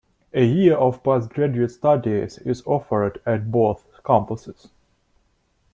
A year of postgraduate studies is offered at both campuses.